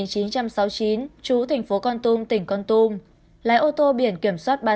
trú thành phố con tung tỉnh con tung lái ô tô biển kiểm soát ba mươi sáu a